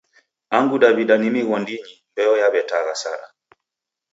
Angu Daw'ida ni mighondinyi mbeo yaw'etagha sana.